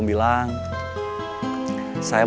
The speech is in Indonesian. tidak ada masalah